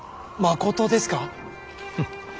まことですか。